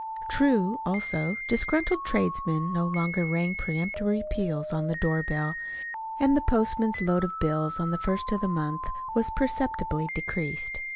True, also, disgruntled tradesmen no longer rang peremptory peals on the doorbell, and the postman's load of bills on the first of the month was perceptibly decreased.